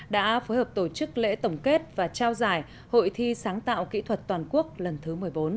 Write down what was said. đã phối hợp tổ chức lễ tổng kết và trao giải hội thi sáng tạo kỹ thuật toàn quốc lần thứ một mươi bốn